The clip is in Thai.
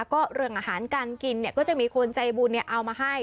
ก็เรื่องอาหารการกินก็จะมีคนใจบุญเอามาให้